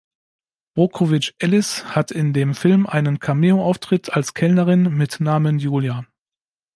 Brockovich-Ellis hat in dem Film einen Cameo-Auftritt als Kellnerin mit Namen Julia.